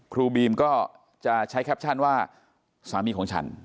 ครูบีมก็จะใช้แคปชั่นว่าสามีของฉัน